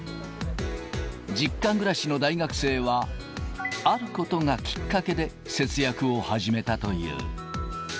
実家暮らしの大学生は、あることがきっかけで節約を始めたという。